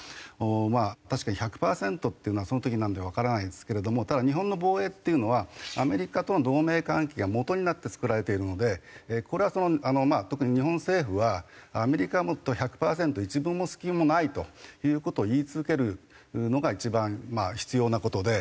まあ確かに１００パーセントっていうのはその時にわからないですけれどもただ日本の防衛っていうのはアメリカとの同盟関係がもとになって作られているのでこれはまあ特に日本政府はアメリカはもっと１００パーセント一分の隙もないという事を言い続けるのが一番必要な事で。